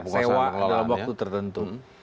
sewa dalam waktu tertentu